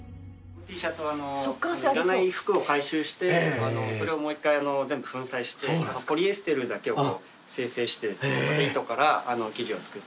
Ｔシャツはいらない服を回収してそれをもう一回全部粉砕してポリエステルだけを精製して糸から生地を作って。